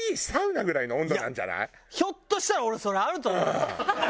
ひょっとしたら俺それあると思うよ。